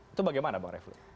itu bagaimana bang refli